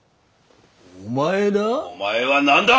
「お前」だ？